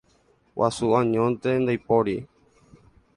Guasu añónte ndaipóri.